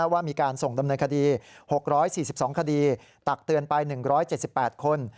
ว่ามีการส่งดำเนินคดี๖๔๒คดีตักเตือนไป๑๗๘คน